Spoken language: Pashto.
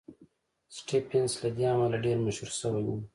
سټېفنس له دې امله ډېر مشهور شوی و